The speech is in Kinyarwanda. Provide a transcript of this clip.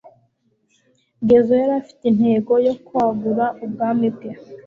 Ghezo yari afite intego yo kwagura ubwami bwe,